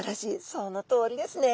そのとおりですね。